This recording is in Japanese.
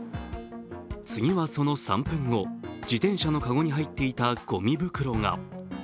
次はその３分後、自転車のかごに入っていたごみ袋が。